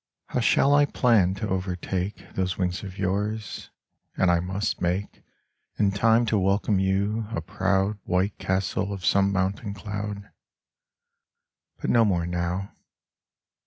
How shall I plan to overtake Those wings of yours? And I must make, In time to welcome you, a proud White castle of some mountain cloud ... But no more now